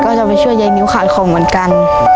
ก็จะไปช่วยยายนิ้วขายของเหมือนกัน